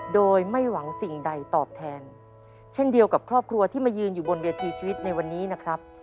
โดยไม่หวังสิ่งใดตอบแทนเช่นเดียวกับครอบครัวที่มายืนอยู่บนเวทีชีวิตในวันนี้นะครับ